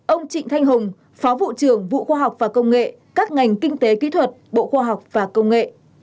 ông trịnh thanh hùng phó vụ trưởng vụ khoa học và công nghệ các ngành kinh tế kỹ thuật bộ khoa học và công nghệ